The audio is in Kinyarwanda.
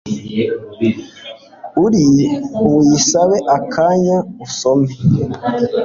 Uri buyisabe akanya usome